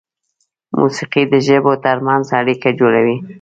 موسیقي د ژبو تر منځ اړیکه جوړوي.